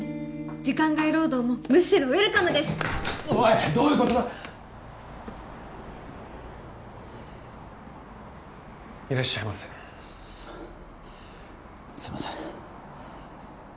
時間外労働もむしろウエルカムですおいどういうことだいらっしゃいませすいません